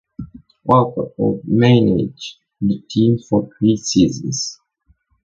Walker would manage the team for three seasons.